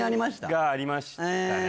がありましたね